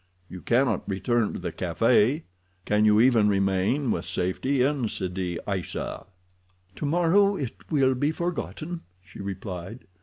"You cannot return to the café. Can you even remain with safety in Sidi Aissa?" "Tomorrow it will be forgotten," she replied.